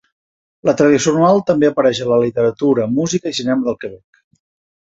La tradició anual també apareix en la literatura, música i cinema del Quebec.